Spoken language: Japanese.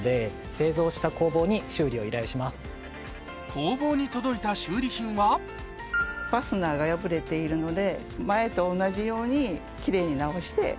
工房に届いた修理品はファスナーが破れているので。